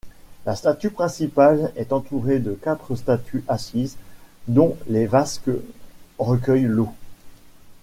La statue principale est entourée de quatre statues assises, dont les vasques recueillent l'eau.